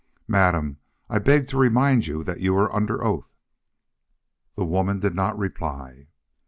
"Madam, I beg to remind you that you are under oath." The woman did not reply.